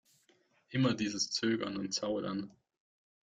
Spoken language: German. Immer dieses Zögern und Zaudern!